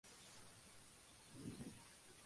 En otras versiones, la muerte de Teseo fue accidental.